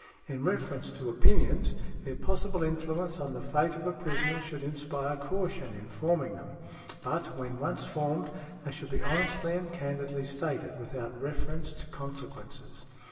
In reference to opinions, their possible influence on the fate of a prisoner should inspire caution in |107| forming them; but, when once formed, they should be honestly and candidly stated, without reference to consequences."